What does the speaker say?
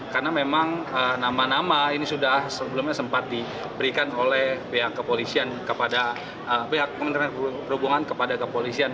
karena memang nama nama ini sudah sebelumnya sempat diberikan oleh pihak kementerian perhubungan kepada kepolisian